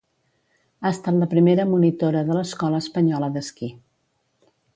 Ha estat la primera monitora de l’Escola Espanyola d’Esquí.